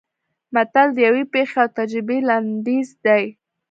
متل د یوې پېښې او تجربې لنډیز دی